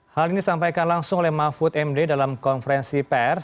hal ini disampaikan langsung oleh mahfud md dalam konferensi pers